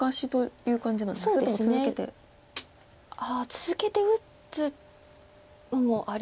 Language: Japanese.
続けて打つのもありそうです。